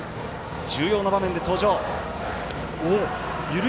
重要な場面で登場。